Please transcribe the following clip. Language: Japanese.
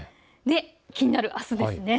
気になるあすですね。